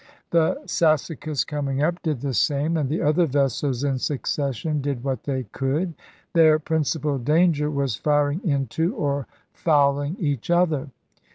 The Sassacus coming up did the same, and the other vessels in succession Gilbert did what they could; their principal danger was ^century, firing into, or fouling, each other.